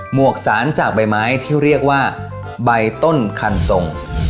วกสารจากใบไม้ที่เรียกว่าใบต้นคันทรง